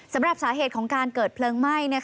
สำหรับสาเหตุของการเกิดเพลิงไหม้